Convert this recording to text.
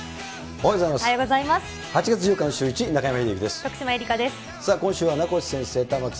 おはようございます。